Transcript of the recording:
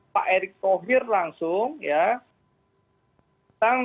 pak erick tohir langsung